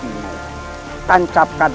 dan datang rapat